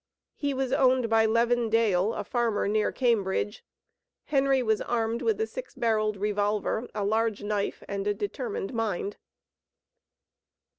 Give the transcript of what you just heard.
He was owned by Levin Dale, a farmer near Cambridge. Henry was armed with a six barreled revolver, a large knife, and a determined mind.